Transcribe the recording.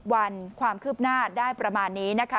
วันความคืบหน้าได้ประมาณนี้นะคะ